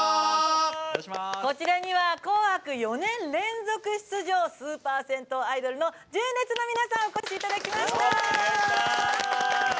こちらには「紅白」４年連続出場スーパー銭湯アイドルの純烈の皆さんにお越しいただきました。